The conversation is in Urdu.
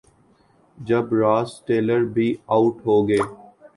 جب راس ٹیلر بھی آوٹ ہو گئے۔